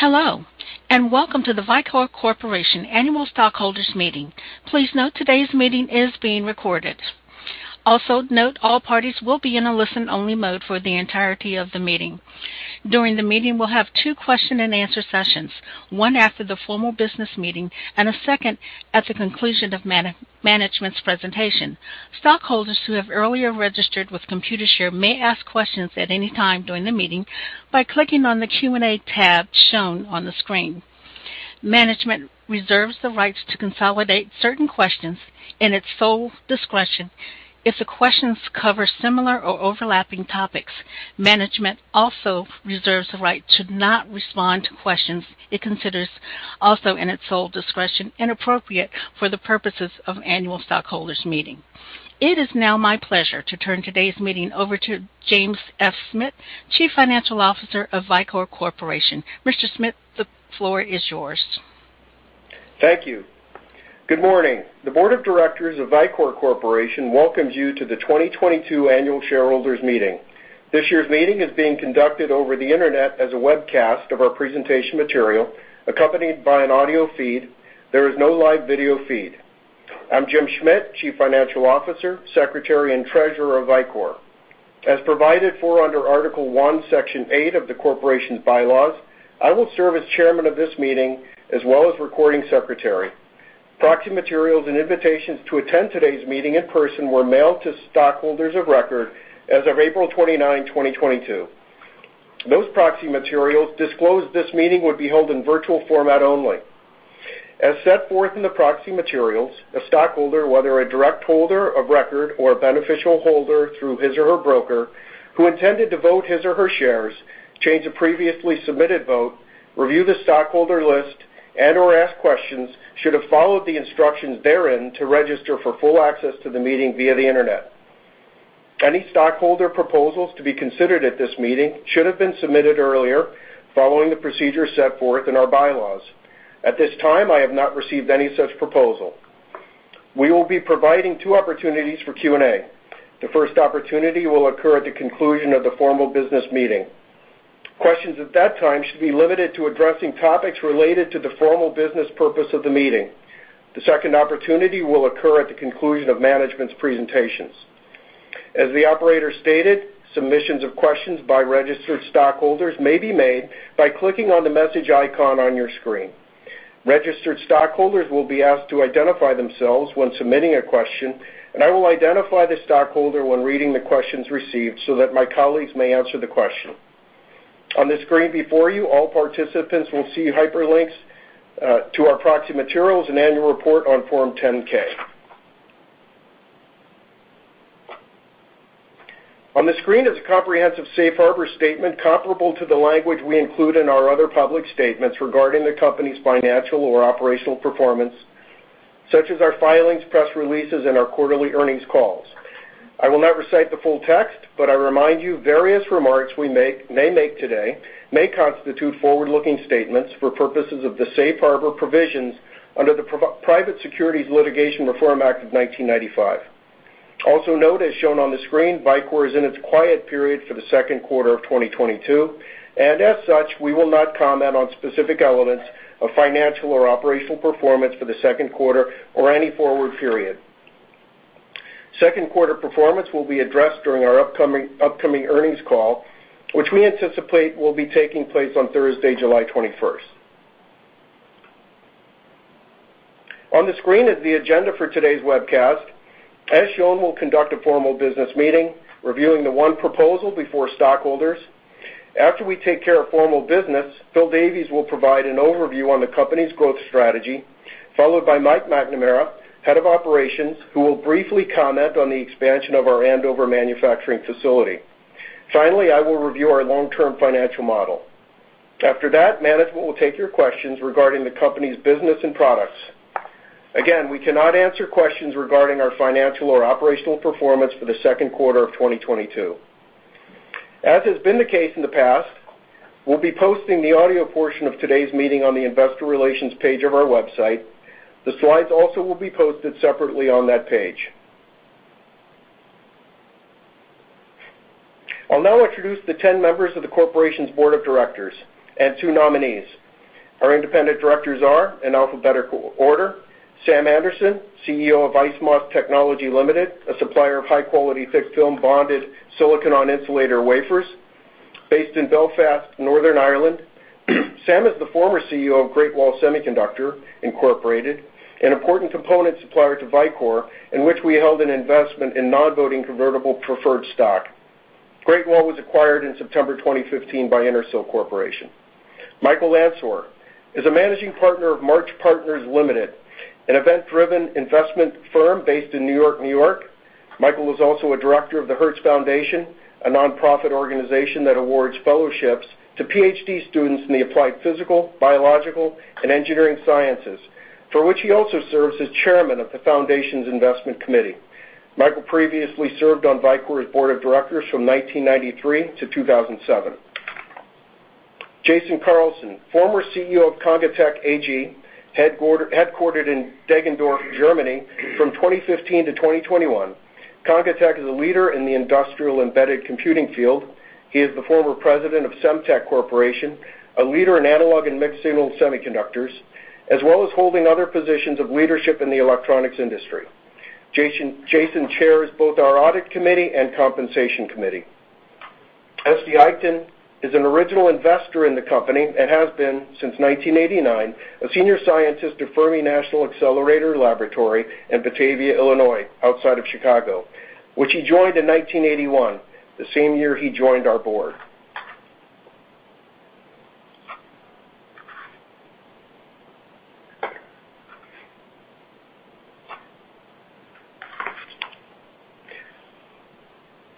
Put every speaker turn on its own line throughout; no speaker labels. Hello, and welcome to The Vicor Corporation Annual Stockholders Meeting. Please note today's meeting is being recorded. Also note all parties will be in a listen-only mode for the entirety of the meeting. During the meeting, we'll have two question-and-answer sessions, one after the formal business meeting and a second at the conclusion of management's presentation. Stockholders who have earlier registered with Computershare may ask questions at any time during the meeting by clicking on the Q&A tab shown on the screen. Management reserves the right to consolidate certain questions in its sole discretion. If the questions cover similar or overlapping topics, management also reserves the right to not respond to questions it considers, also in its sole discretion, inappropriate for the purposes of annual stockholders meeting. It is now my pleasure to turn today's meeting over to James F. Schmidt, Chief Financial Officer of Vicor Corporation. Mr. Schmidt, the floor is yours.
Thank you. Good morning. The board of directors of Vicor Corporation welcomes you to the 2022 annual shareholders meeting. This year's meeting is being conducted over the Internet as a webcast of our presentation material, accompanied by an audio feed. There is no live video feed. I'm Jim Schmidt, Chief Financial Officer, Secretary, and Treasurer of Vicor. As provided for under Article One, Section Eight of the Corporation's bylaws, I will serve as Chairman of this meeting as well as recording Secretary. Proxy materials and invitations to attend today's meeting in person were mailed to stockholders of record as of April 29, 2022. Those proxy materials disclosed this meeting would be held in virtual format only. As set forth in the proxy materials, a stockholder, whether a direct holder of record or a beneficial holder through his or her broker, who intended to vote his or her shares, change a previously submitted vote, review the stockholder list, and/or ask questions, should have followed the instructions therein to register for full access to the meeting via the Internet. Any stockholder proposals to be considered at this meeting should have been submitted earlier, following the procedure set forth in our bylaws. At this time, I have not received any such proposal. We will be providing two opportunities for Q&A. The first opportunity will occur at the conclusion of the formal business meeting. Questions at that time should be limited to addressing topics related to the formal business purpose of the meeting. The second opportunity will occur at the conclusion of management's presentations. As the operator stated, submissions of questions by registered stockholders may be made by clicking on the message icon on your screen. Registered stockholders will be asked to identify themselves when submitting a question, and I will identify the stockholder when reading the questions received so that my colleagues may answer the question. On the screen before you, all participants will see hyperlinks to our proxy materials and annual report on Form 10-K. On the screen is a comprehensive safe harbor statement comparable to the language we include in our other public statements regarding the company's financial or operational performance, such as our filings, press releases, and our quarterly earnings calls. I will not recite the full text, but I remind you various remarks we may make today may constitute forward-looking statements for purposes of the safe harbor provisions under the Private Securities Litigation Reform Act of 1995. Also note, as shown on the screen, Vicor is in its quiet period for the second quarter of 2022, and as such, we will not comment on specific elements of financial or operational performance for the second quarter or any forward period. Second quarter performance will be addressed during our upcoming earnings call, which we anticipate will be taking place on Thursday, July 21. On the screen is the agenda for today's webcast. As shown, we'll conduct a formal business meeting reviewing the one proposal before stockholders. After we take care of formal business, Phil Davies will provide an overview on the company's growth strategy, followed by Mike McNamara, Head of Operations, who will briefly comment on the expansion of our Andover manufacturing facility. Finally, I will review our long-term financial model. After that, management will take your questions regarding the company's business and products. Again, we cannot answer questions regarding our financial or operational performance for the second quarter of 2022. As has been the case in the past, we'll be posting the audio portion of today's meeting on the investor relations page of our website. The slides also will be posted separately on that page. I'll now introduce the 10 members of the Corporation's Board of Directors and 2 nominees. Our independent directors are, in alphabetical order, Sam Anderson, CEO of IceMOS Technology Limited, a supplier of high-quality thick film bonded silicon on insulator wafers based in Belfast, Northern Ireland. Sam is the former CEO of Great Wall Semiconductor, Inc., an important component supplier to Vicor, in which we held an investment in non-voting convertible preferred stock. Great Wall was acquired in September 2015 by Intersil Corporation. Michael Lanser is a managing partner of March Partners Limited, an event-driven investment firm based in New York, New York. Michael is also a director of the Hertz Foundation, a nonprofit organization that awards fellowships to PhD students in the applied physical, biological, and engineering sciences, for which he also serves as chairman of the foundation's investment committee. Michael previously served on Vicor's board of directors from 1993 to 2007. Jason Carlson, former CEO of Congatec AG, headquartered in Deggendorf, Germany from 2015 to 2021. Congatec is a leader in the industrial embedded computing field. He is the former president of Semtech Corporation, a leader in analog and mixed-signal semiconductors, as well as holding other positions of leadership in the electronics industry. Jason chairs both our Audit Committee and Compensation Committee. Estia J. Eichten is an original investor in the company and has been since 1989, a senior scientist at Fermi National Accelerator Laboratory in Batavia, Illinois, outside of Chicago, which he joined in 1981, the same year he joined our board.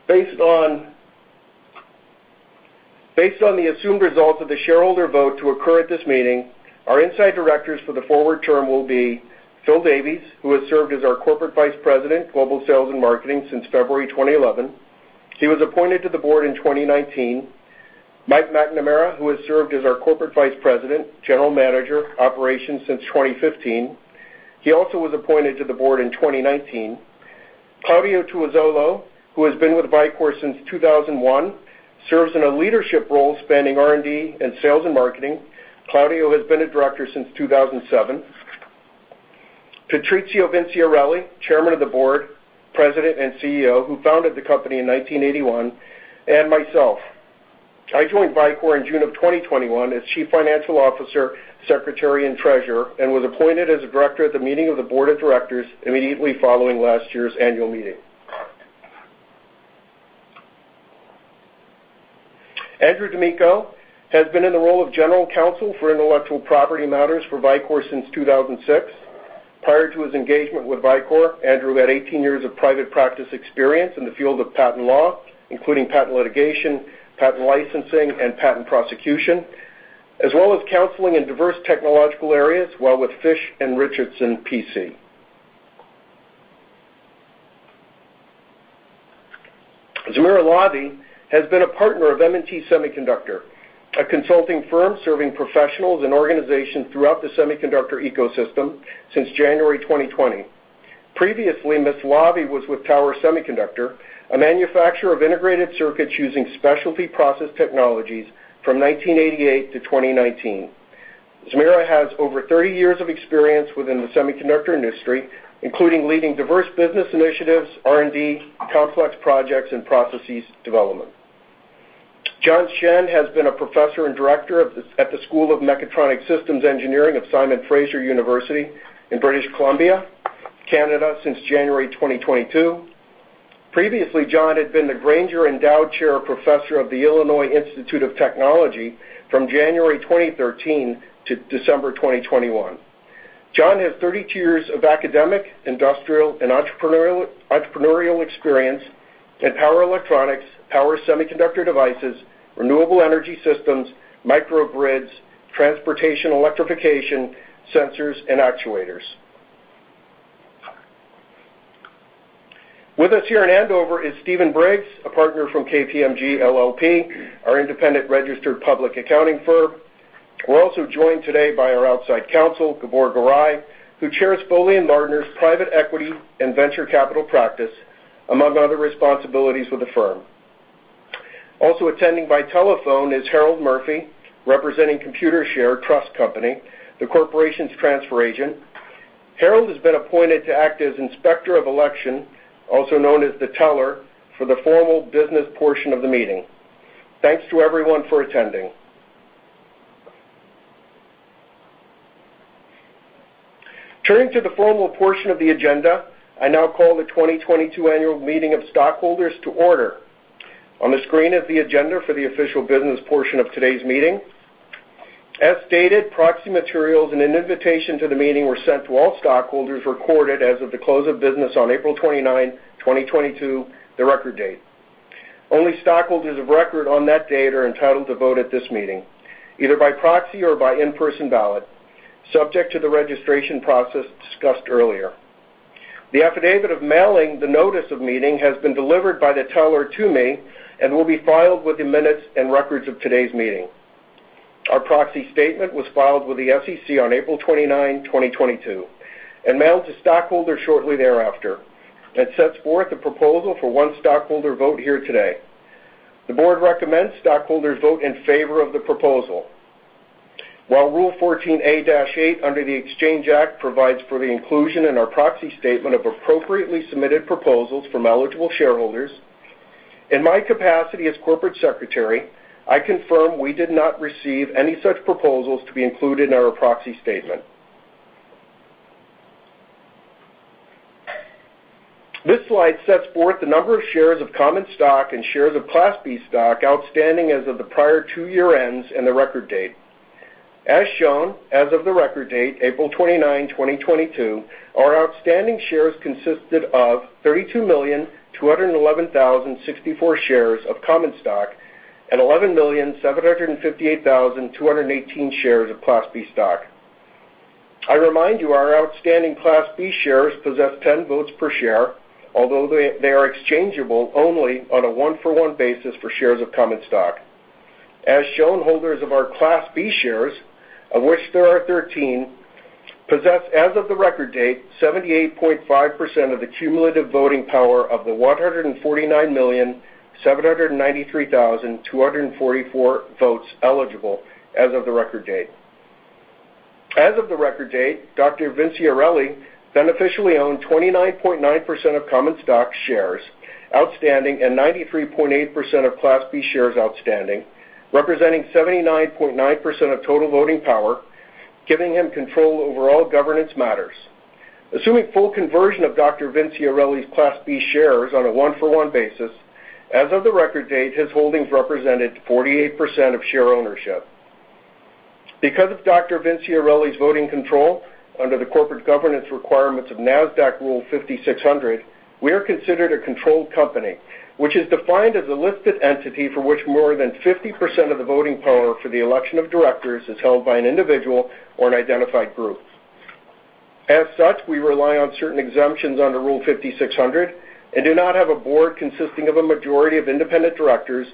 Based on the assumed results of the shareholder vote to occur at this meeting, our inside directors for the forward term will be Phil Davies, who has served as our Corporate Vice President, Global Sales and Marketing since February 2011. He was appointed to the board in 2019. Mike McNamara, who has served as our Corporate Vice President, General Manager, Operations since 2015. He also was appointed to the board in 2019. Claudio Tuozzolo, who has been with Vicor since 2001, serves in a leadership role spanning R&D and sales and marketing. Claudio has been a director since 2007. Patrizio Vinciarelli, Chairman of the Board, President, and CEO, who founded the company in 1981, and myself. I joined Vicor in June of 2021 as Chief Financial Officer, Secretary, and Treasurer, and was appointed as a director at the meeting of the Board of Directors immediately following last year's annual meeting. Andrew D'Amico has been in the role of General Counsel for intellectual property matters for Vicor since 2006. Prior to his engagement with Vicor, Andrew had 18 years of private practice experience in the field of patent law, including patent litigation, patent licensing, and patent prosecution, as well as counseling in diverse technological areas while with Fish & Richardson P.C. Zmira Lavie has been a partner of M&T Semiconductor, a consulting firm serving professionals and organizations throughout the semiconductor ecosystem since January 2020. Previously, Ms. Lavie was with Tower Semiconductor, a manufacturer of integrated circuits using specialty process technologies from 1988 to 2019. Zmira has over 30 years of experience within the semiconductor industry, including leading diverse business initiatives, R&D, complex projects, and processes development. John Zheng Shen has been a professor and director at the School of Mechatronic Systems Engineering of Simon Fraser University in British Columbia, Canada, since January 2022. Previously, John had been the Grainger Endowed Chair Professor of the Illinois Institute of Technology from January 2013 to December 2021. John has 32 years of academic, industrial, and entrepreneurial experience in power electronics, power semiconductor devices, renewable energy systems, microgrids, transportation electrification, sensors, and actuators. With us here in Andover is Steven Briggs, a partner from KPMG LLP, our independent registered public accounting firm. We're also joined today by our outside counsel, Gabor Garai, who chairs Foley & Lardner's private equity and venture capital practice, among other responsibilities with the firm. Also attending by telephone is Harold Murphy, representing Computershare Trust Company, the corporation's transfer agent. Harold has been appointed to act as Inspector of Election, also known as the teller, for the formal business portion of the meeting. Thanks to everyone for attending. Turning to the formal portion of the agenda, I now call the 2022 annual meeting of stockholders to order. On the screen is the agenda for the official business portion of today's meeting. As stated, proxy materials and an invitation to the meeting were sent to all stockholders recorded as of the close of business on April 29, 2022, the record date. Only stockholders of record on that date are entitled to vote at this meeting, either by proxy or by in-person ballot, subject to the registration process discussed earlier. The affidavit of mailing the notice of meeting has been delivered by the teller to me and will be filed with the minutes and records of today's meeting. Our proxy statement was filed with the SEC on April 29, 2022, and mailed to stockholders shortly thereafter. It sets forth a proposal for one stockholder vote here today. The board recommends stockholders vote in favor of the proposal. While Rule 14a-8 under the Exchange Act provides for the inclusion in our proxy statement of appropriately submitted proposals from eligible shareholders, in my capacity as corporate secretary, I confirm we did not receive any such proposals to be included in our proxy statement. This slide sets forth the number of shares of common stock and shares of Class B stock outstanding as of the prior two-year ends and the record date. As shown, as of the record date, April 29, 2022, our outstanding shares consisted of 32,211,064 shares of common stock and 11,758,218 shares of Class B stock. I remind you, our outstanding Class B shares possess 10 votes per share, although they are exchangeable only on a one-for-one basis for shares of common stock. As shown, holders of our Class B shares, of which there are 13, possess as of the record date 78.5% of the cumulative voting power of the 149,793,244 votes eligible as of the record date. As of the record date, Dr. Vinciarelli beneficially owned 29.9% of common stock shares outstanding and 93.8% of Class B shares outstanding, representing 79.9% of total voting power, giving him control over all governance matters. Assuming full conversion of Dr. Vinciarelli's Class B shares on a one-for-one basis, as of the record date, his holdings represented 48% of share ownership. Because of Dr. Vinciarelli's voting control under the corporate governance requirements of NASDAQ Rule 5600, we are considered a controlled company, which is defined as a listed entity for which more than 50% of the voting power for the election of directors is held by an individual or an identified group. As such, we rely on certain exemptions under Rule 5600 and do not have a board consisting of a majority of independent directors,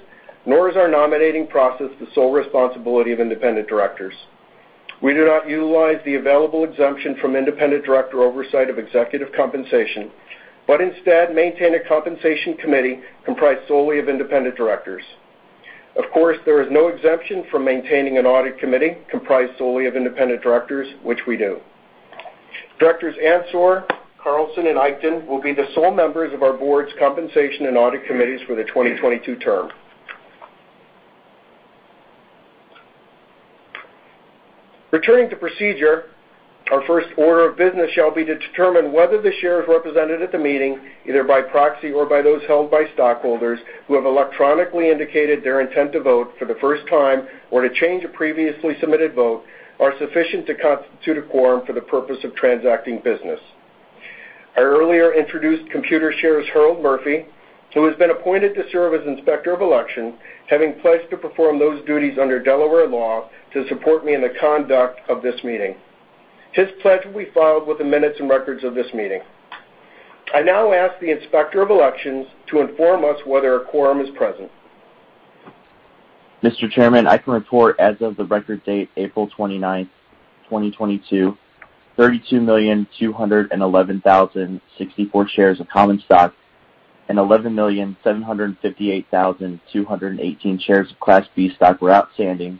nor is our nominating process the sole responsibility of independent directors. We do not utilize the available exemption from independent director oversight of executive compensation, but instead maintain a compensation committee comprised solely of independent directors. Of course, there is no exemption from maintaining an audit committee comprised solely of independent directors, which we do. Directors Samuel J. Anderson, Jason L. Carlson, and ESTIA J. Eichten will be the sole members of our board's compensation and audit committees for the 2022 term. Returning to procedure, our first order of business shall be to determine whether the shares represented at the meeting, either by proxy or by those held by stockholders who have electronically indicated their intent to vote for the first time or to change a previously submitted vote, are sufficient to constitute a quorum for the purpose of transacting business. I earlier introduced Computershare's Harold Murphy, who has been appointed to serve as Inspector of Election, having pledged to perform those duties under Delaware law to support me in the conduct of this meeting. His pledge will be filed with the minutes and records of this meeting. I now ask the Inspector of Elections to inform us whether a quorum is present.
Mr. Chairman, I can report as of the record date, April 29, 2022, 32,211,064 shares of common stock and 11,758,218 shares of Class B stock were outstanding,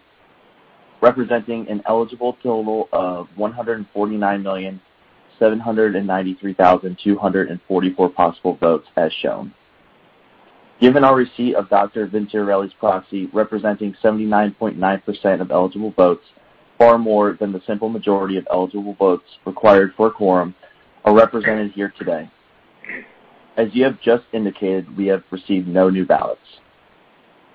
representing an eligible total of 149,793,244 possible votes as shown. Given our receipt of Dr. Vinciarelli's proxy representing 79.9% of eligible votes, far more than the simple majority of eligible votes required for a quorum are represented here today. As you have just indicated, we have received no new ballots.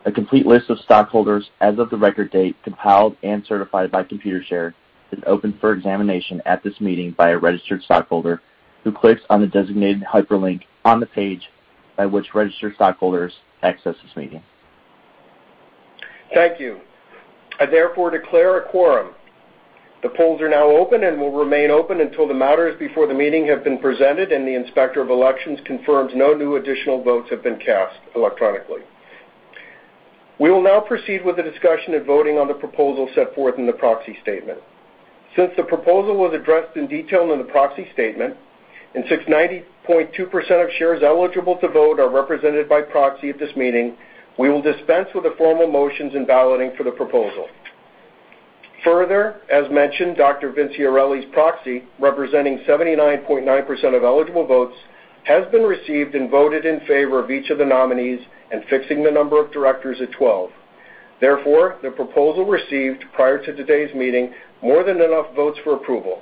A complete list of stockholders as of the record date compiled and certified by Computershare is open for examination at this meeting by a registered stockholder who clicks on the designated hyperlink on the page by which registered stockholders access this meeting.
Thank you. I therefore declare a quorum. The polls are now open and will remain open until the matters before the meeting have been presented and the Inspector of Elections confirms no new additional votes have been cast electronically. We will now proceed with the discussion and voting on the proposal set forth in the proxy statement. Since the proposal was addressed in detail in the proxy statement, and since 90.2% of shares eligible to vote are represented by proxy at this meeting, we will dispense with the formal motions and balloting for the proposal. Further, as mentioned, Dr. Vinciarelli's proxy, representing 79.9% of eligible votes, has been received and voted in favor of each of the nominees and fixing the number of directors at 12. Therefore, the proposal received prior to today's meeting more than enough votes for approval.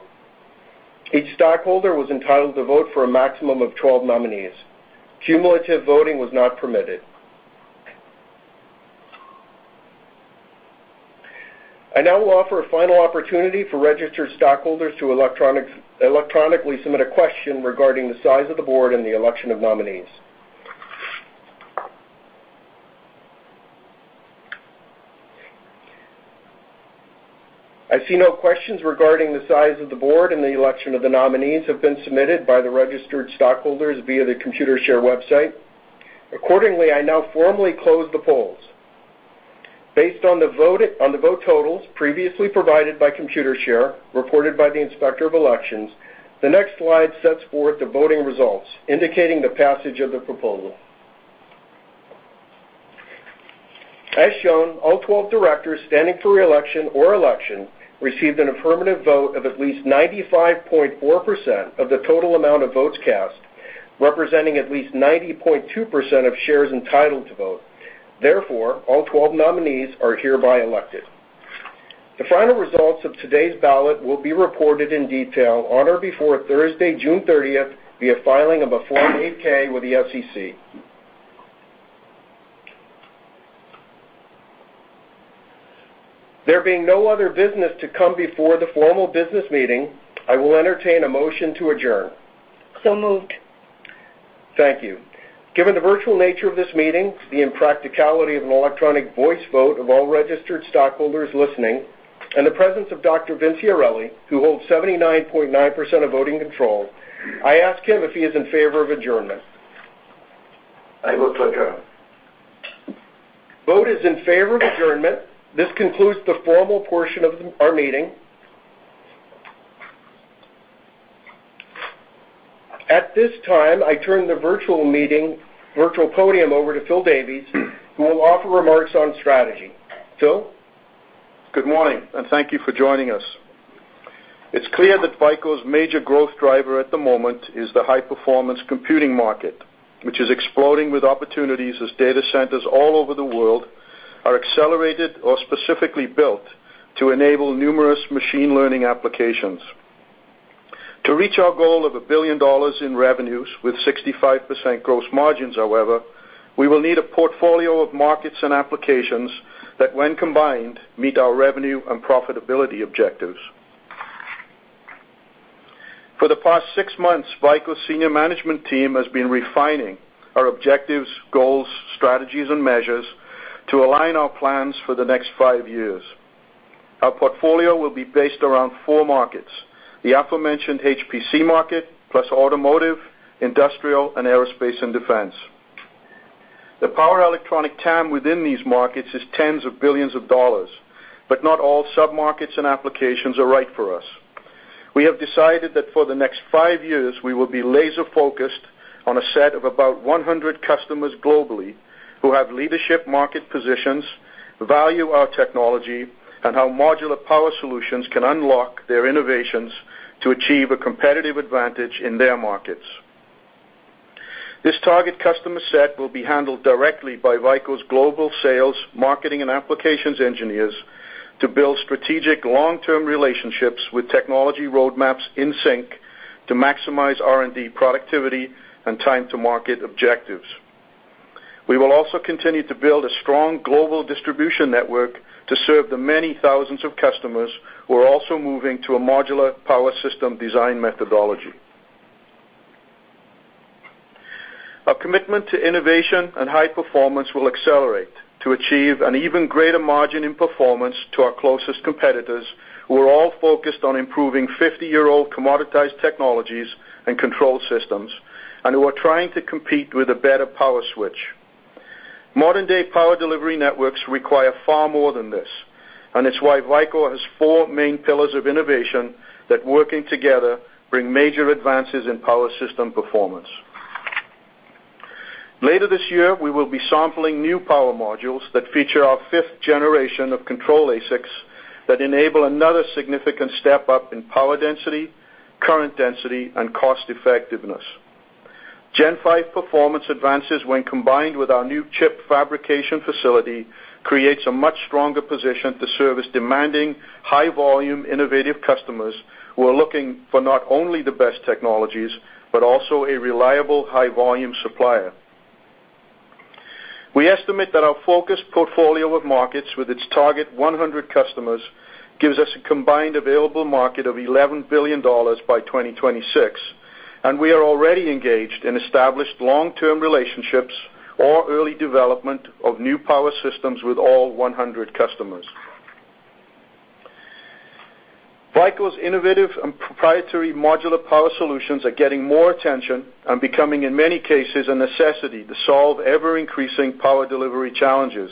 Each stockholder was entitled to vote for a maximum of 12 nominees. Cumulative voting was not permitted. I now offer a final opportunity for registered stockholders to electronically submit a question regarding the size of the board and the election of nominees. I see no questions regarding the size of the board and the election of the nominees have been submitted by the registered stockholders via the Computershare website. Accordingly, I now formally close the polls. Based on the vote, on the vote totals previously provided by Computershare, reported by the Inspector of Elections, the next slide sets forth the voting results indicating the passage of the proposal. As shown, all 12 directors standing for reelection or election received an affirmative vote of at least 95.4% of the total amount of votes cast, representing at least 90.2% of shares entitled to vote. Therefore, all 12 nominees are hereby elected. The final results of today's ballot will be reported in detail on or before Thursday, June thirtieth, via filing of a Form 8-K with the SEC. There being no other business to come before the formal business meeting, I will entertain a motion to adjourn.
Moved.
Thank you. Given the virtual nature of this meeting, the impracticality of an electronic voice vote of all registered stockholders listening, and the presence of Dr. Vinciarelli, who holds 79.9% of voting control, I ask him if he is in favor of adjournment.
I vote to adjourn.
Vote is in favor of adjournment. This concludes the formal portion of our meeting. At this time, I turn the virtual podium over to Phil Davies, who will offer remarks on strategy. Phil.
Good morning, and thank you for joining us. It's clear that Vicor's major growth driver at the moment is the high-performance computing market, which is exploding with opportunities as data centers all over the world are accelerated or specifically built to enable numerous machine learning applications. To reach our goal of $1 billion in revenues with 65% gross margins, however, we will need a portfolio of markets and applications that, when combined, meet our revenue and profitability objectives. For the past six months, Vicor's senior management team has been refining our objectives, goals, strategies, and measures to align our plans for the next five years. Our portfolio will be based around four markets, the aforementioned HPC market, plus automotive, industrial, and aerospace and defense. The power electronic TAM within these markets is $10s of billions, but not all submarkets and applications are right for us. We have decided that for the next 5 years, we will be laser-focused on a set of about 100 customers globally who have leadership market positions, value our technology, and how modular power solutions can unlock their innovations to achieve a competitive advantage in their markets. This target customer set will be handled directly by Vicor's global sales, marketing, and applications engineers to build strategic long-term relationships with technology roadmaps in sync to maximize R&D productivity and time to market objectives. We will also continue to build a strong global distribution network to serve the many thousands of customers who are also moving to a modular power system design methodology. Our commitment to innovation and high performance will accelerate to achieve an even greater margin in performance to our closest competitors, who are all focused on improving 50-year-old commoditized technologies and control systems, and who are trying to compete with a better power switch. Modern-day power delivery networks require far more than this, and it's why Vicor has four main pillars of innovation that, working together, bring major advances in power system performance. Later this year, we will be sampling new power modules that feature our fifth generation of control ASICs that enable another significant step-up in power density, current density, and cost effectiveness. Gen5 performance advances when combined with our new ChiP fabrication facility creates a much stronger position to service demanding, high-volume, innovative customers who are looking for not only the best technologies, but also a reliable, high-volume supplier. We estimate that our focused portfolio of markets with its target 100 customers gives us a combined available market of $11 billion by 2026, and we are already engaged in established long-term relationships or early development of new power systems with all 100 customers. Vicor's innovative and proprietary modular power solutions are getting more attention and becoming, in many cases, a necessity to solve ever-increasing power delivery challenges.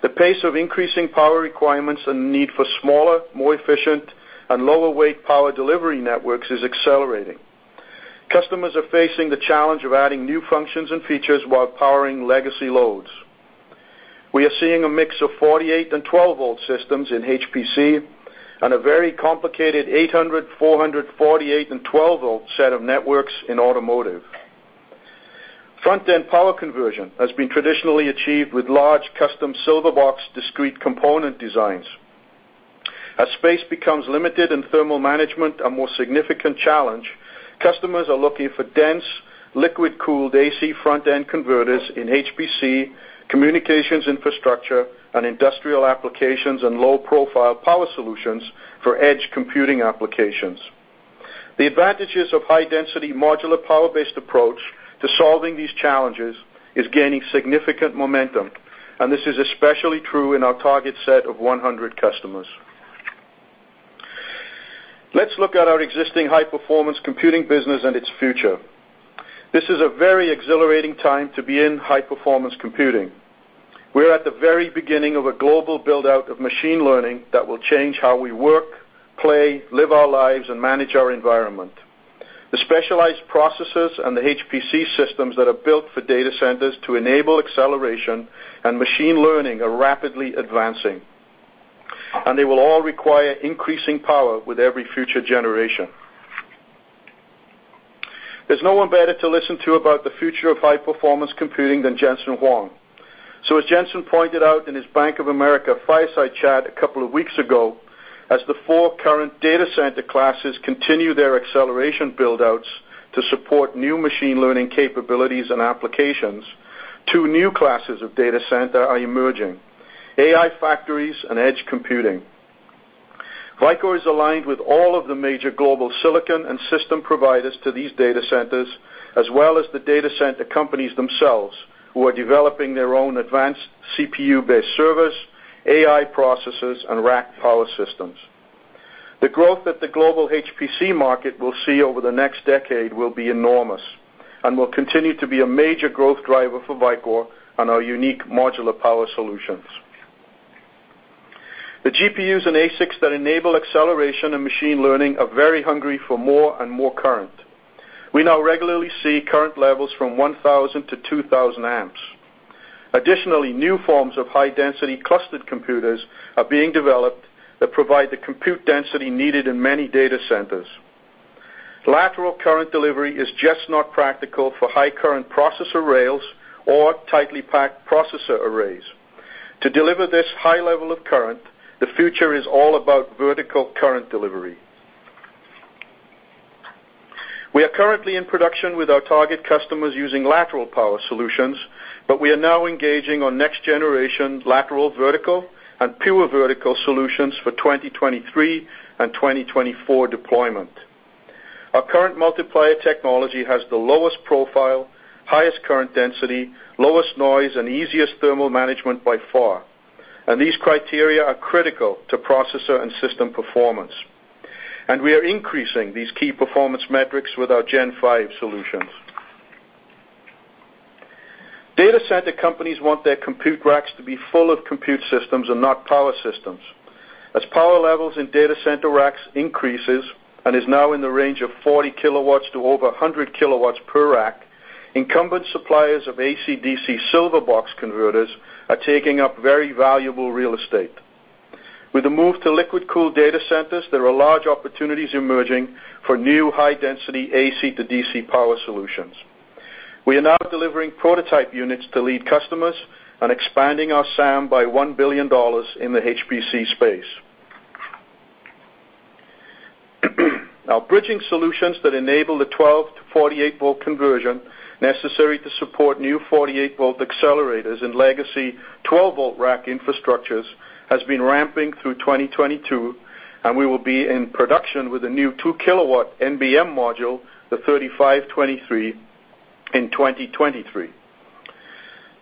The pace of increasing power requirements and need for smaller, more efficient, and lower-weight power delivery networks is accelerating. Customers are facing the challenge of adding new functions and features while powering legacy loads. We are seeing a mix of 48- and 12-volt systems in HPC and a very complicated 800-, 400-, 48- and 12-volt set of networks in automotive. Front-end power conversion has been traditionally achieved with large custom silver box discrete component designs. As space becomes limited and thermal management a more significant challenge, customers are looking for dense, liquid-cooled AC front-end converters in HPC, communications infrastructure, and industrial applications, and low-profile power solutions for edge computing applications. The advantages of high-density modular power-based approach to solving these challenges is gaining significant momentum, and this is especially true in our target set of 100 customers. Let's look at our existing high-performance computing business and its future. This is a very exhilarating time to be in high-performance computing. We're at the very beginning of a global build-out of machine learning that will change how we work, play, live our lives, and manage our environment. The specialized processes and the HPC systems that are built for data centers to enable acceleration and machine learning are rapidly advancing, and they will all require increasing power with every future generation. There's no one better to listen to about the future of high-performance computing than Jensen Huang. As Jensen pointed out in his Bank of America fireside chat a couple of weeks ago, as the four current data center classes continue their acceleration build-outs to support new machine learning capabilities and applications, two new classes of data center are emerging, AI factories and edge computing. Vicor is aligned with all of the major global silicon and system providers to these data centers, as well as the data center companies themselves, who are developing their own advanced CPU-based servers, AI processes, and rack power systems. The growth that the global HPC market will see over the next decade will be enormous and will continue to be a major growth driver for Vicor and our unique modular power solutions. The GPUs and ASICs that enable acceleration and machine learning are very hungry for more and more current. We now regularly see current levels from 1,000-2,000 amps. Additionally, new forms of high-density clustered computers are being developed that provide the compute density needed in many data centers. Lateral current delivery is just not practical for high current processor rails or tightly packed processor arrays. To deliver this high level of current, the future is all about vertical current delivery. We are currently in production with our target customers using lateral power solutions, but we are now engaging on next-generation lateral, vertical, and pure vertical solutions for 2023 and 2024 deployment. Our current multiplier technology has the lowest profile, highest current density, lowest noise, and easiest thermal management by far, and these criteria are critical to processor and system performance. We are increasing these key performance metrics with our Gen5 solutions. Data center companies want their compute racks to be full of compute systems and not power systems. As power levels in data center racks increases and is now in the range of 40 kW to over 100 kW per rack, incumbent suppliers of AC/DC silver box converters are taking up very valuable real estate. With the move to liquid-cooled data centers, there are large opportunities emerging for new high-density AC to DC power solutions. We are now delivering prototype units to lead customers and expanding our SAM by $1 billion in the HPC space. Now, bridging solutions that enable the 12- to 48-volt conversion necessary to support new 48-volt accelerators in legacy 12-volt rack infrastructures has been ramping through 2022, and we will be in production with a new 2-kilowatt NBM module, the 3523, in 2023.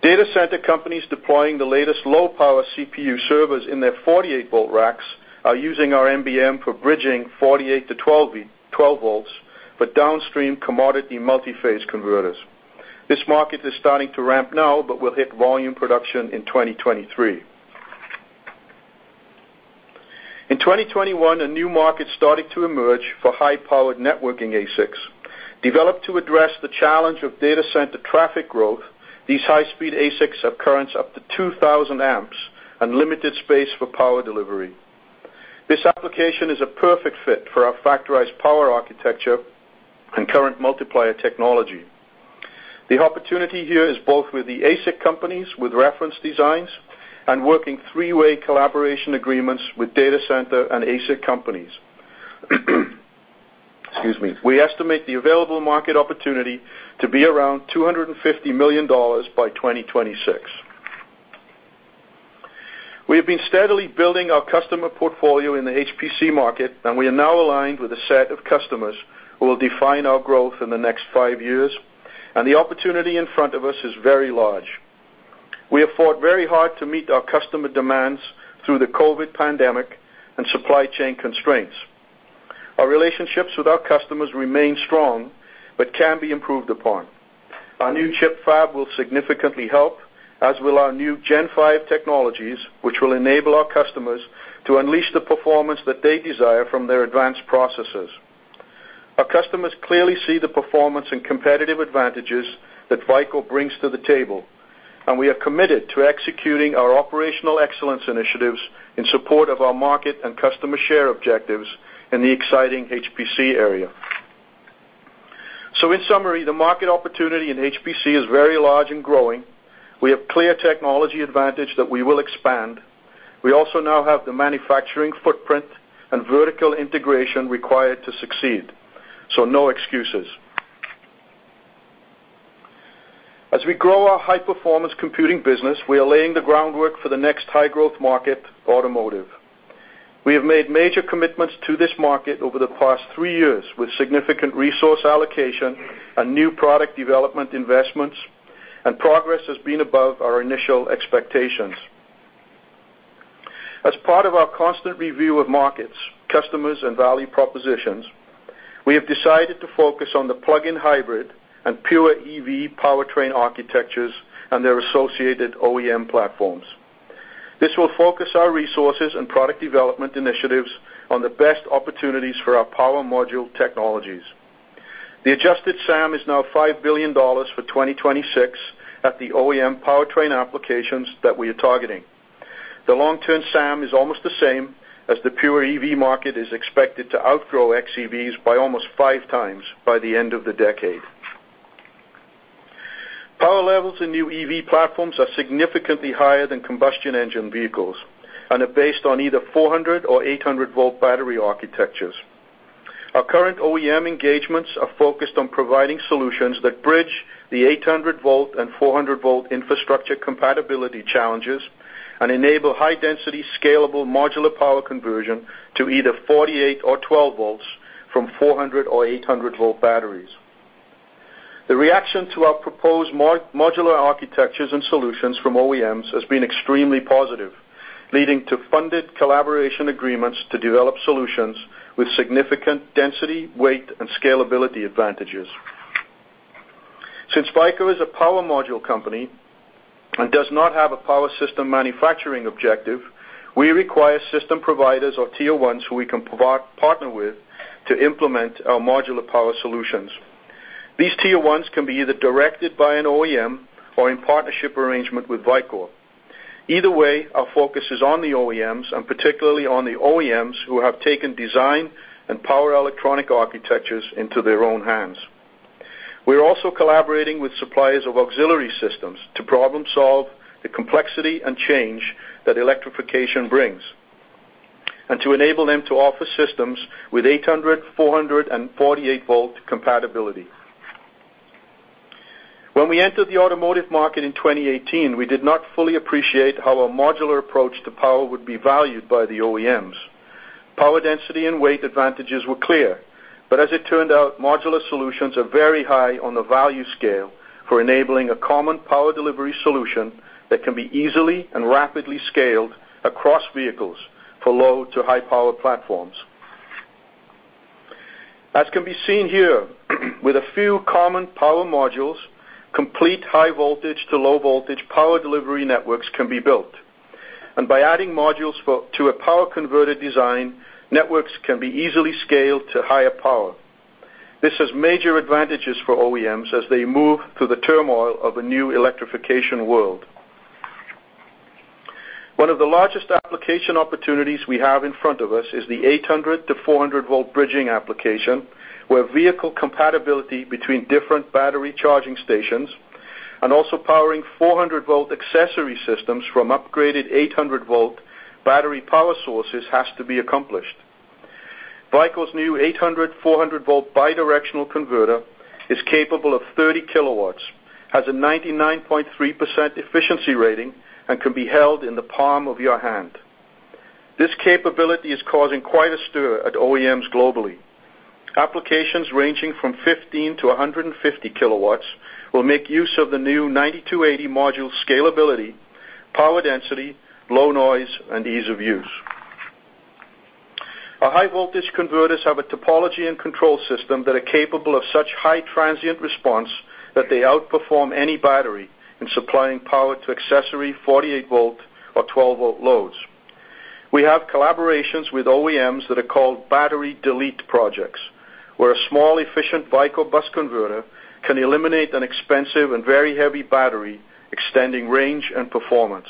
Data center companies deploying the latest low-power CPU servers in their 48-volt racks are using our NBM for bridging 48 to 12 volts for downstream commodity multi-phase converters. This market is starting to ramp now but will hit volume production in 2023. In 2021, a new market started to emerge for high-powered networking ASICs. Developed to address the challenge of data center traffic growth, these high-speed ASICs have currents up to 2,000 amps and limited space for power delivery. This application is a perfect fit for our Factorized Power Architecture and current multiplier technology. The opportunity here is both with the ASIC companies with reference designs and working three-way collaboration agreements with data center and ASIC companies. Excuse me. We estimate the available market opportunity to be around $250 million by 2026. We have been steadily building our customer portfolio in the HPC market, and we are now aligned with a set of customers who will define our growth in the next five years, and the opportunity in front of us is very large. We have fought very hard to meet our customer demands through the COVID pandemic and supply chain constraints. Our relationships with our customers remain strong but can be improved upon. Our new ChiP fab will significantly help, as will our new Gen5 technologies, which will enable our customers to unleash the performance that they desire from their advanced processors. Our customers clearly see the performance and competitive advantages that Vicor brings to the table, and we are committed to executing our operational excellence initiatives in support of our market and customer share objectives in the exciting HPC area. In summary, the market opportunity in HPC is very large and growing. We have clear technology advantage that we will expand. We also now have the manufacturing footprint and vertical integration required to succeed, so no excuses. As we grow our high-performance computing business, we are laying the groundwork for the next high-growth market, automotive. We have made major commitments to this market over the past three years with significant resource allocation and new product development investments, and progress has been above our initial expectations. As part of our constant review of markets, customers, and value propositions, we have decided to focus on the plug-in hybrid and pure EV powertrain architectures and their associated OEM platforms. This will focus our resources and product development initiatives on the best opportunities for our power module technologies. The adjusted SAM is now $5 billion for 2026 at the OEM powertrain applications that we are targeting. The long-term SAM is almost the same, as the pure EV market is expected to outgrow XEVs by almost 5 times by the end of the decade. Power levels in new EV platforms are significantly higher than combustion engine vehicles and are based on either 400 or 800 volt battery architectures. Our current OEM engagements are focused on providing solutions that bridge the 800-volt and 400-volt infrastructure compatibility challenges and enable high-density, scalable modular power conversion to either 48- or 12-volt from 400- or 800-volt batteries. The reaction to our proposed modular architectures and solutions from OEMs has been extremely positive, leading to funded collaboration agreements to develop solutions with significant density, weight, and scalability advantages. Since Vicor is a power module company and does not have a power system manufacturing objective, we require system providers or Tier 1s who we can partner with to implement our modular power solutions. These Tier 1s can be either directed by an OEM or in partnership arrangement with Vicor. Either way, our focus is on the OEMs, and particularly on the OEMs who have taken design and power electronic architectures into their own hands. We're also collaborating with suppliers of auxiliary systems to problem solve the complexity and change that electrification brings, and to enable them to offer systems with 800, 400, and 48 volt compatibility. When we entered the automotive market in 2018, we did not fully appreciate how our modular approach to power would be valued by the OEMs. Power density and weight advantages were clear, but as it turned out, modular solutions are very high on the value scale for enabling a common power delivery solution that can be easily and rapidly scaled across vehicles for low to high power platforms. As can be seen here, with a few common power modules, complete high voltage to low voltage power delivery networks can be built. By adding modules to a power converter design, networks can be easily scaled to higher power. This has major advantages for OEMs as they move through the turmoil of a new electrification world. One of the largest application opportunities we have in front of us is the 800-400 volt bridging application, where vehicle compatibility between different battery charging stations and also powering 400 volt accessory systems from upgraded 800 volt battery power sources has to be accomplished. Vicor's new 800/400 volt bi-directional converter is capable of 30 kW, has a 99.3% efficiency rating, and can be held in the palm of your hand. This capability is causing quite a stir at OEMs globally. Applications ranging from 15-150 kW will make use of the new 90-80 module scalability, power density, low noise, and ease of use. Our high voltage converters have a topology and control system that are capable of such high transient response that they outperform any battery in supplying power to accessory 48-volt or 12-volt loads. We have collaborations with OEMs that are called battery delete projects, where a small efficient Vicor bus converter can eliminate an expensive and very heavy battery, extending range and performance.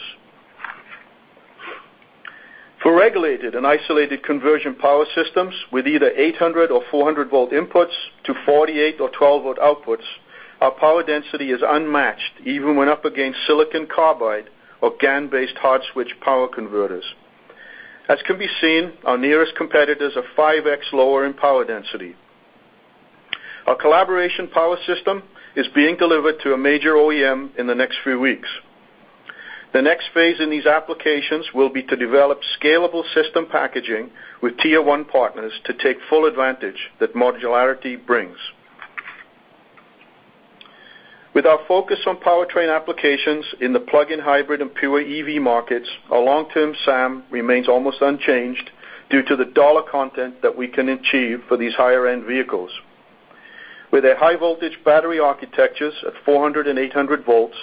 For regulated and isolated conversion power systems with either 800- or 400-volt inputs to 48- or 12-volt outputs, our power density is unmatched, even when up against silicon carbide or GaN-based hard switch power converters. As can be seen, our nearest competitors are 5x lower in power density. Our collaboration power system is being delivered to a major OEM in the next few weeks. The next phase in these applications will be to develop scalable system packaging with Tier 1 partners to take full advantage that modularity brings. With our focus on powertrain applications in the plug-in hybrid and pure EV markets, our long-term SAM remains almost unchanged due to the dollar content that we can achieve for these higher-end vehicles. With their high voltage battery architectures at 400 and 800 volts,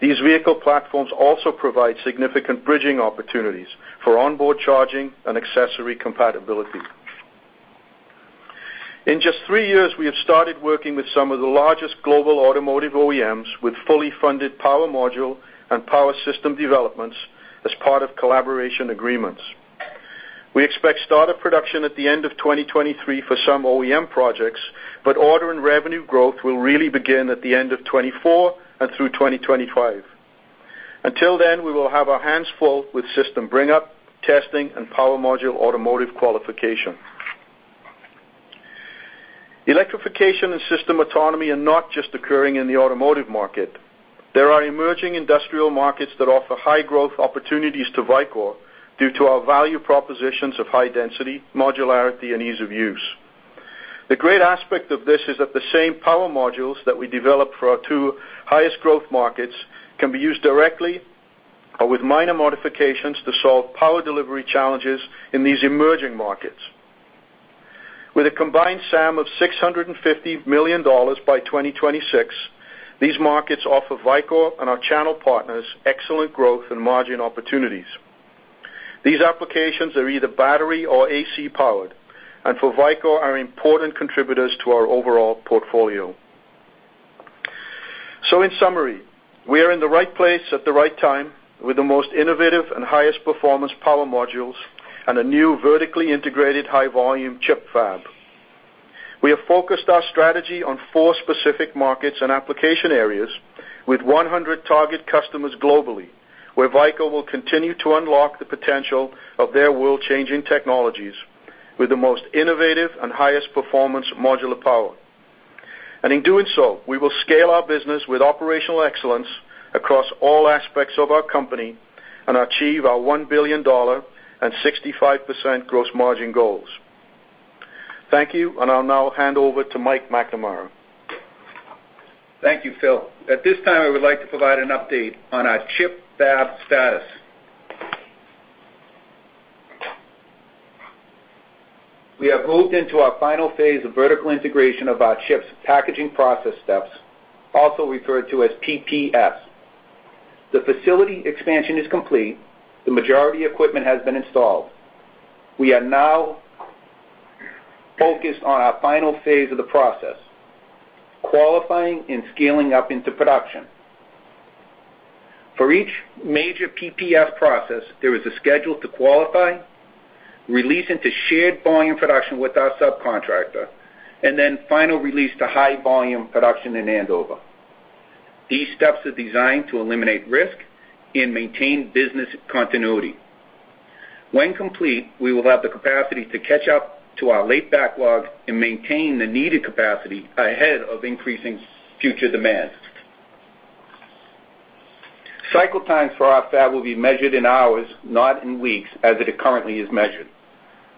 these vehicle platforms also provide significant bridging opportunities for onboard charging and accessory compatibility. In just 3 years, we have started working with some of the largest global automotive OEMs with fully funded power module and power system developments as part of collaboration agreements. We expect start of production at the end of 2023 for some OEM projects, but order and revenue growth will really begin at the end of 2024 and through 2025. Until then, we will have our hands full with system bring up, testing, and power module automotive qualification. Electrification and system autonomy are not just occurring in the automotive market. There are emerging industrial markets that offer high growth opportunities to Vicor due to our value propositions of high density, modularity, and ease of use. The great aspect of this is that the same power modules that we develop for our two highest growth markets can be used directly or with minor modifications to solve power delivery challenges in these emerging markets. With a combined SAM of $650 million by 2026, these markets offer Vicor and our channel partners excellent growth and margin opportunities. These applications are either battery or AC powered, and for Vicor, are important contributors to our overall portfolio. In summary, we are in the right place at the right time with the most innovative and highest performance power modules and a new vertically integrated high volume ChiP fab. We have focused our strategy on four specific markets and application areas with 100 target customers globally, where Vicor will continue to unlock the potential of their world-changing technologies with the most innovative and highest performance modular power. In doing so, we will scale our business with operational excellence across all aspects of our company and achieve our $1 billion and 65% gross margin goals. Thank you. I'll now hand over to Mike McNamara.
Thank you, Phil. At this time, I would like to provide an update on our ChiP fab status. We have moved into our final phase of vertical integration of our ChiPs packaging process steps, also referred to as PPS. The facility expansion is complete. The majority equipment has been installed. We are now focused on our final phase of the process, qualifying and scaling up into production. For each major PPS process, there is a schedule to qualify, release into shared volume production with our subcontractor, and then final release to high volume production in Andover. These steps are designed to eliminate risk and maintain business continuity. When complete, we will have the capacity to catch up to our late backlog and maintain the needed capacity ahead of increasing future demands. Cycle times for our fab will be measured in hours, not in weeks, as it currently is measured.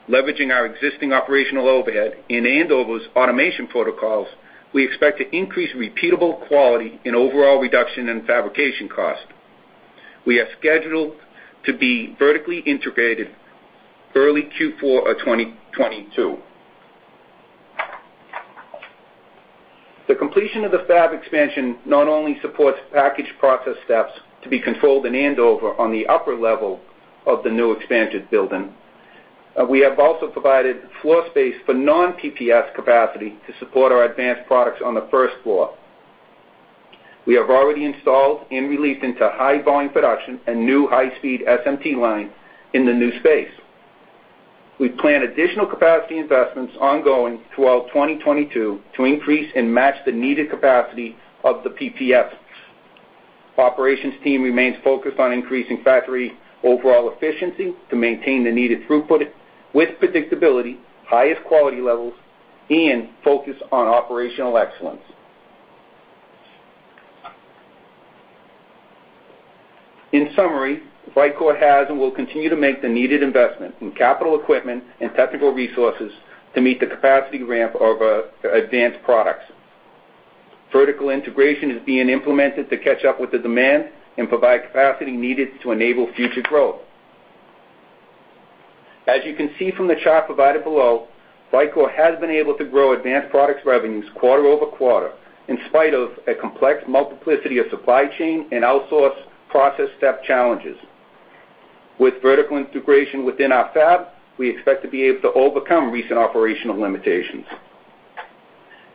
Leveraging our existing operational overhead in Andover's automation protocols, we expect to increase repeatable quality and overall reduction in fabrication cost. We are scheduled to be vertically integrated early Q4 of 2022. The completion of the fab expansion not only supports package process steps to be controlled in Andover on the upper level of the new expanded building, we have also provided floor space for non-PPS capacity to support our advanced products on the first floor. We have already installed and released into high volume production a new high-speed SMT line in the new space. We plan additional capacity investments ongoing throughout 2022 to increase and match the needed capacity of the PPS. Operations team remains focused on increasing factory overall efficiency to maintain the needed throughput with predictability, highest quality levels, and focus on operational excellence. In summary, Vicor has and will continue to make the needed investment in capital equipment and technical resources to meet the capacity ramp of advanced products. Vertical integration is being implemented to catch up with the demand and provide capacity needed to enable future growth. As you can see from the chart provided below, Vicor has been able to grow advanced products revenues quarter over quarter in spite of a complex multiplicity of supply chain and outsourced process step challenges. With vertical integration within our fab, we expect to be able to overcome recent operational limitations.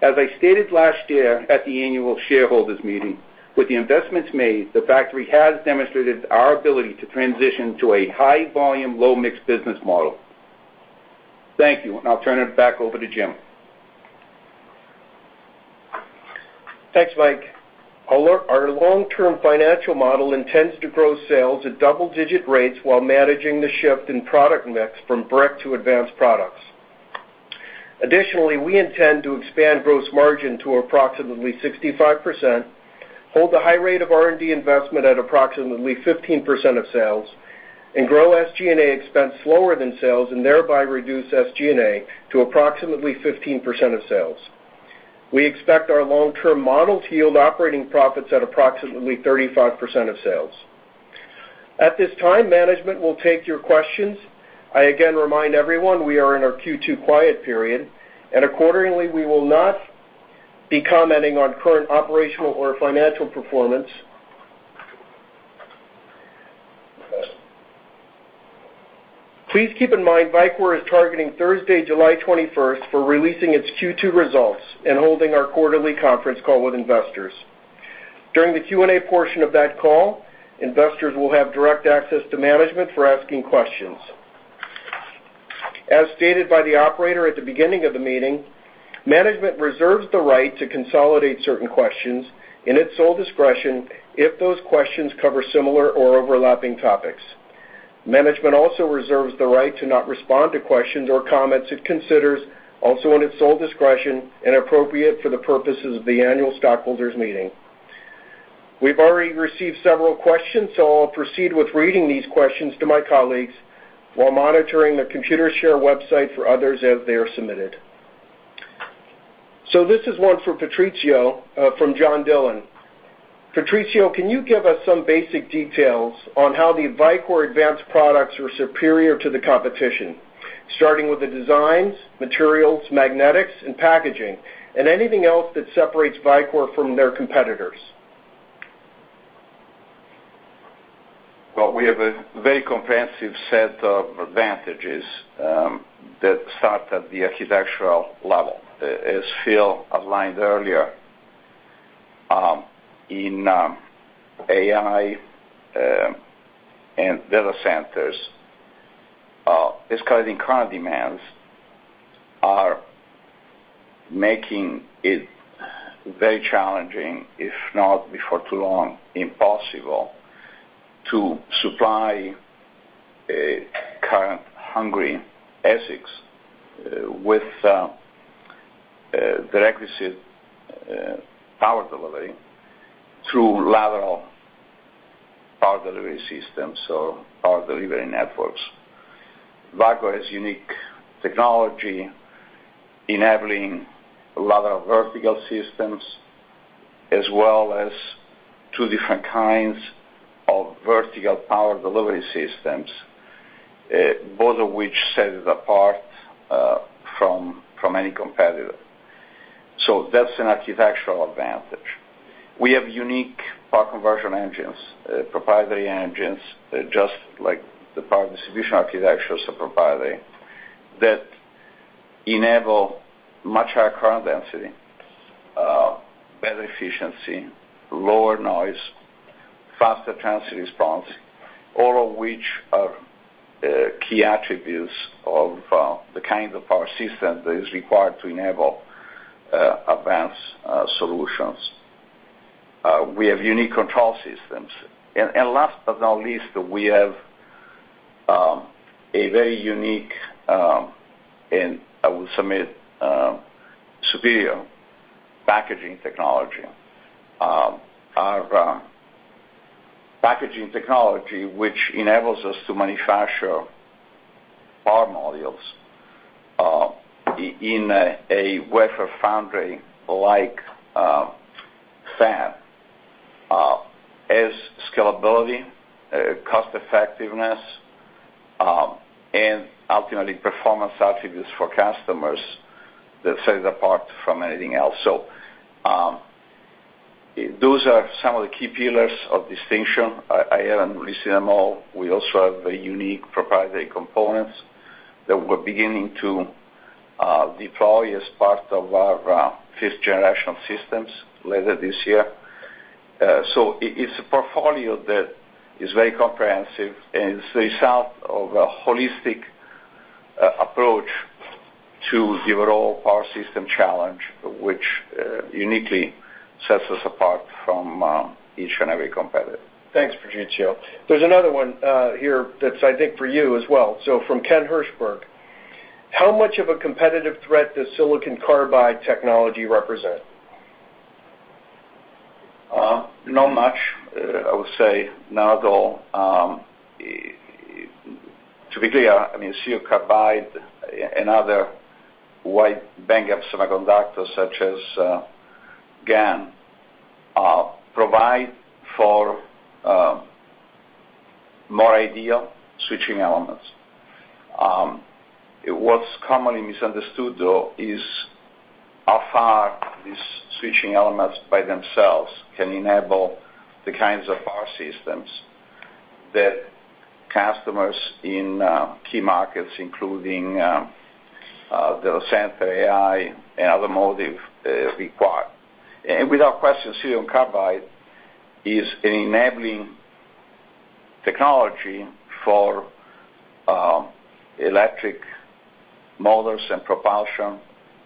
As I stated last year at the annual shareholders meeting, with the investments made, the factory has demonstrated our ability to transition to a high volume, low mixed business model. Thank you, and I'll turn it back over to Jim. Thanks, Mike. Our long-term financial model intends to grow sales at double-digit rates while managing the shift in product mix from brick to advanced products. Additionally, we intend to expand gross margin to approximately 65%, hold the high rate of R&D investment at approximately 15% of sales, and grow SG&A expense slower than sales, and thereby reduce SG&A to approximately 15% of sales. We expect our long-term model to yield operating profits at approximately 35% of sales. At this time, management will take your questions. I again remind everyone we are in our Q2 quiet period, and accordingly, we will not be commenting on current operational or financial performance. Please keep in mind Vicor is targeting Thursday, July 21st for releasing its Q2 results and holding our quarterly conference call with investors. During the Q&A portion of that call, investors will have direct access to management for asking questions. As stated by the operator at the beginning of the meeting, management reserves the right to consolidate certain questions in its sole discretion if those questions cover similar or overlapping topics. Management also reserves the right to not respond to questions or comments it considers also in its sole discretion, inappropriate for the purposes of the annual stockholders meeting. We've already received several questions, so I'll proceed with reading these questions to my colleagues while monitoring the Computershare website for others as they are submitted. This is one for Patrizio, from John Dillon. "Patrizio, can you give us some basic details on how the Vicor advanced products are superior to the competition, starting with the designs, materials, magnetics and packaging, and anything else that separates Vicor from their competitors?
Well, we have a very comprehensive set of advantages that start at the architectural level. As Phil outlined earlier, in AI and data centers, escalating current demands are making it very challenging, if not, before too long, impossible to supply current-hungry ASICs with the requisite power delivery through lateral power delivery systems or our delivery networks. Vicor has unique technology enabling a lot of vertical systems as well as two different kinds of vertical power delivery systems, both of which set it apart from any competitor. That's an architectural advantage. We have unique power conversion engines, proprietary engines, just like the power distribution architectures are proprietary, that enable much higher current density, better efficiency, lower noise, faster transient response, all of which are key attributes of the kind of power system that is required to enable advanced solutions. We have unique control systems. Last but not least, we have a very unique, and I would submit, superior packaging technology. Our packaging technology, which enables us to manufacture our modules in a wafer foundry-like fab, has scalability, cost-effectiveness, and ultimately performance attributes for customers that set it apart from anything else. Those are some of the key pillars of distinction. I haven't listed them all. We also have very unique proprietary components that we're beginning to deploy as part of our fifth-generational systems later this year. It's a portfolio that is very comprehensive and is the result of a holistic approach to the overall power system challenge, which uniquely sets us apart from each and every competitor.
Thanks, Patrizio. There's another one here that's I think for you as well. From Ken Hirshberg, "How much of a competitive threat does silicon carbide technology represent?
Not much, I would say. None at all. To be clear, I mean, silicon carbide and other wide bandgap semiconductors such as GaN provide for more ideal switching elements. What's commonly misunderstood, though, is how far these switching elements by themselves can enable the kinds of power systems that customers in key markets, including data center, AI, and automotive require. Without question, silicon carbide is an enabling technology for electric motors and propulsion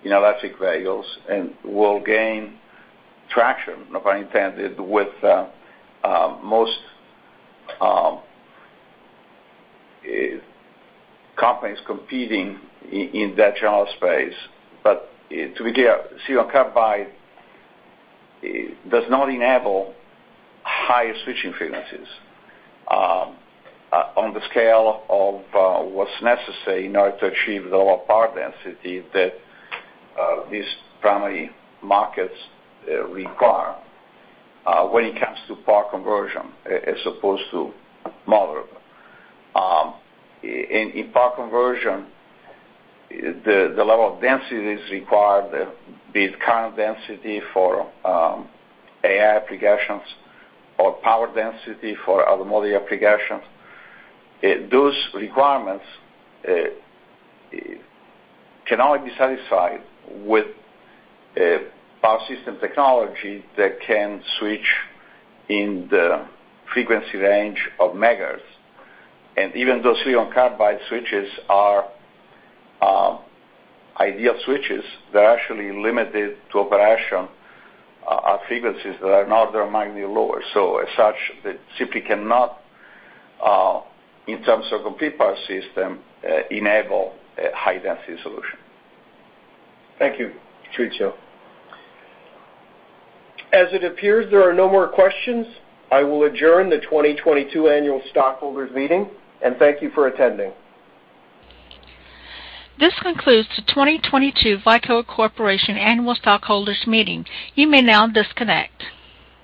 in electric vehicles, and will gain traction, no pun intended, with most companies competing in that general space. To be clear, silicon carbide does not enable high switching frequencies on the scale of what's necessary in order to achieve the lower power density that these primary markets require when it comes to power conversion as opposed to motor. In power conversion, the level of density is required, be it current density for AI applications or power density for automotive applications. Those requirements can only be satisfied with power system technology that can switch in the frequency range of megahertz. Even though silicon carbide switches are ideal switches, they're actually limited to operation at frequencies that are an order of magnitude lower. As such, it simply cannot, in terms of a complete power system, enable a high-density solution.
Thank you, Patrizio. As it appears there are no more questions, I will adjourn the 2022 annual stockholders meeting, and thank you for attending.
This concludes the 2022 Vicor Corporation Annual Stockholders Meeting. You may now disconnect.